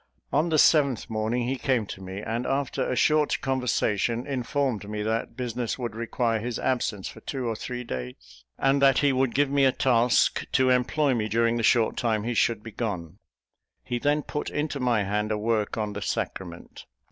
On the seventh morning, he came to me, and after a short conversation, informed me that business would require his absence for two or three days, and that he would give me a task to employ me during the short time he should be gone. He then put into my hand a work on the sacrament.